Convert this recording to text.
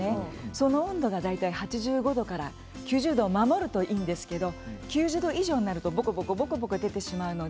その温度が８５度から９０度だといいんですけれど９０度以上になるとボコボコ出てしまいます。